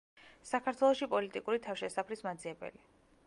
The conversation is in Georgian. საქართველოში პოლიტიკური თავშესაფრის მაძიებელი.